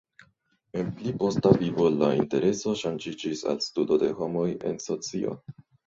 En pli posta vivo lia intereso ŝanĝiĝis al studo de homoj en socio.